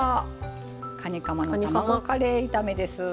かにかまの卵カレー炒めです。